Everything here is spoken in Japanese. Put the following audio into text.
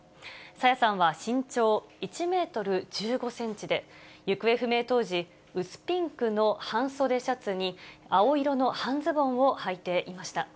朝芽さんは身長１メートル１５センチで、行方不明当時、薄ピンクの半袖シャツに青色の半ズボンをはいていました。